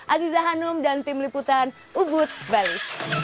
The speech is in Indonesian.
aziza hanum dan tim liputan ubud bali